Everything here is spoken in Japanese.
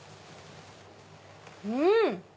うん！